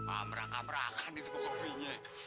amrakan amrakan itu kopinya